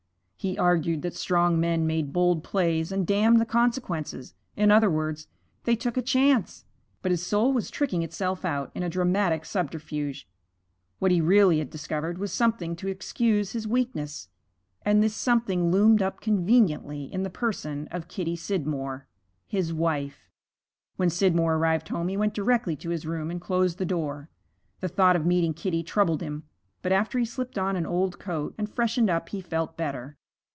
He argued that strong men made bold plays and damned the consequence; in other words, they took a chance. But his soul was tricking itself out in a dramatic subterfuge. What he really had discovered was something to excuse his weakness, and this something loomed up conveniently in the person of Kitty Scidmore, his wife. When Scidmore arrived home, he went directly to his room and closed the door. The thought of meeting Kitty troubled him. But after he had slipped on an old coat and freshened up, he felt better.